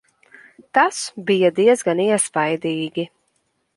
Tas bija diezgan iespaidīgi.